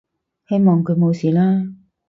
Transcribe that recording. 希望佢冇事啦